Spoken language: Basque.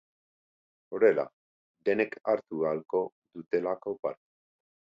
Horrela, denek hartu ahalko dutelako parte.